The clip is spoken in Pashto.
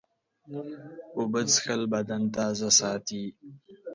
اوبه څښل بدن تازه ساتي.